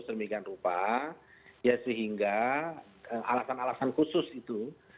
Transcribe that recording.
sehingga alasan alasan khusus itu